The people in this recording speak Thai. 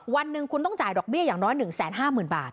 วันหนึ่งคุณต้องจ่ายดอกเบี้ยอย่างน้อย๑๕๐๐๐บาท